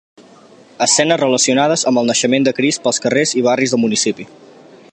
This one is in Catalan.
Escenes relacionades amb el naixement de Crist pels carrers i barris del municipi.